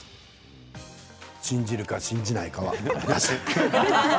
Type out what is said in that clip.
信じるか信じないかはあなた次第。